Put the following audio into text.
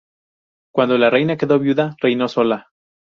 Cuando la reina quedó viuda reinó sola.